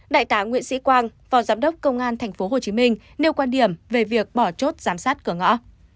đại tá nguyễn sĩ quang phó giám đốc công an tp hcm nêu quan điểm về việc bỏ chốt giám sát cửa ngõ